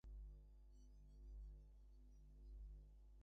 অনেকেই দেশকে সমৃদ্ধিশালী করায় শিক্ষার অবদান প্রথম বলে মনে করেন।